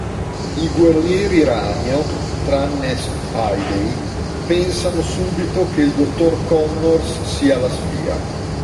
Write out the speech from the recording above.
I guerrieri ragno, tranne Spidey, pensano subito che il doctor Connors sia la spia.